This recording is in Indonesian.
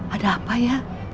ada apa ya